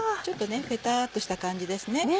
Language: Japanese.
ちょっとペタっとした感じですね。